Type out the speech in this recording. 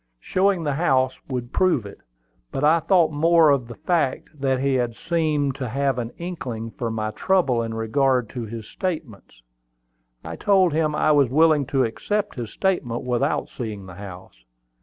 Showing the house would prove it; but I thought more of the fact that he seemed to have an inkling of my trouble in regard to his statements. I told him I was willing to accept his statement without seeing the house.